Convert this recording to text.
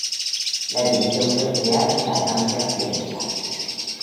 La división fue creada en la Francia Occidental.